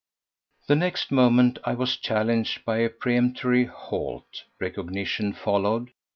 The next moment I was challenged by a peremptory "Halt!" Recognition followed.